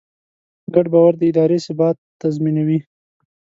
ګډ باور د ادارې ثبات تضمینوي.